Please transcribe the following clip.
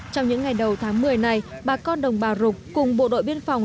trong những ngày đầu tháng một mươi này bà con đồng bào rục cùng bộ đội biên phòng